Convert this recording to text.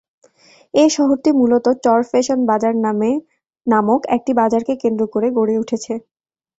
এ শহরটি মূলত চরফ্যাশন বাজার নামক একটি বাজারকে কেন্দ্র করে গড়ে উঠেছে।